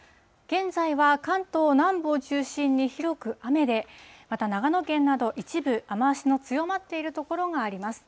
現在は関東南部を中心に広く雨で、また長野県など一部雨足の強まっている所があります。